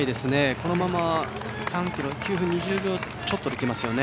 このまま３ｋｍ９分２０秒ちょっとで来ますよね。